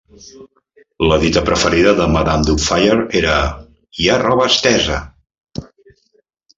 La dita preferida de Madame Doubtfire era "hi ha roba estesa".